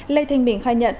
lê thanh bình khai nhận